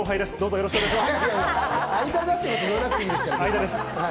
よろしくお願いします。